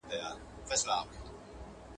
زه کولای سم د کتابتون د کار مرسته وکړم!